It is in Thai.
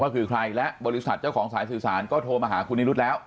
ก็คือใครและบริษัทเจ้าของสายสื่อสารก็โทรมาหาคุณนิรุธแล้ว